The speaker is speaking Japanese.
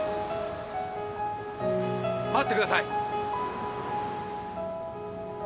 ・待ってください。